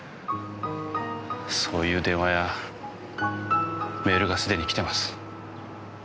そういう電話やメールが既にきてます。